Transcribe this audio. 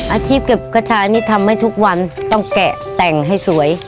อาชีพเก็บกระชายนี่ทำให้ทุกวันต้องแกะแต่งให้สวย